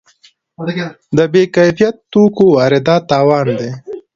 د بې کیفیت توکو واردات تاوان دی.